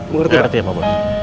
mengerti ya pak